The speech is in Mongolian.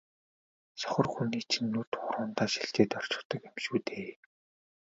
сохор хүний чинь нүд хуруундаа шилжээд орчихдог юм шүү дээ.